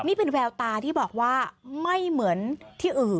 นี่เป็นแววตาที่บอกว่าไม่เหมือนที่อื่น